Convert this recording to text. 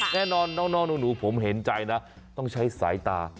แน่นอนน้องหนูผมเห็นใจนะต้องใช้สายตา